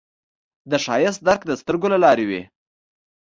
د ښایست درک د سترګو له لارې وي